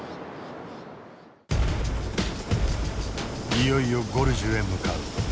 いよいよゴルジュへ向かう。